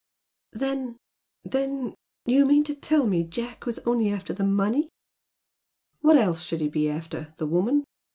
"Then then you mean to tell me Jack was only after the money ?" "What else should he be after? The woman?